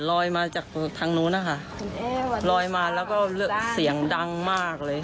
มาจากทางนู้นนะคะลอยมาแล้วก็เสียงดังมากเลย